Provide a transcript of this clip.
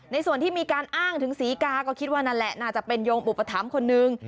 ส่วนที่มีการอ้างถึงศรีกาก็คิดว่านั่นแหละน่าจะเป็นโยมอุปถัมภ์คนนึง